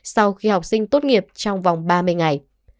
sau khi học sinh tốt nghiệp trong vòng ba mươi ngày